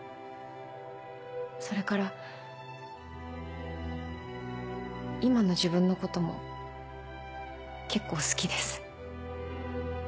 それから今の自分のことも結構好きです。